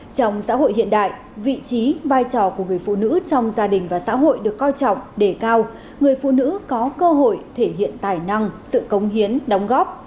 trong xã hội hiện đại vị trí vai trò của người phụ nữ trong gia đình và xã hội được coi trọng đề cao người phụ nữ có cơ hội thể hiện tài năng sự công hiến đóng góp